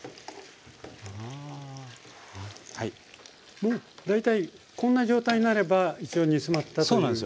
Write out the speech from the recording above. もう大体こんな状態になれば一応煮詰まったっていうことで。